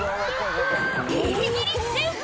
ギリギリセーフ！